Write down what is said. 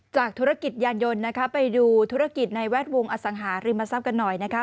ธุรกิจยานยนต์นะคะไปดูธุรกิจในแวดวงอสังหาริมทรัพย์กันหน่อยนะคะ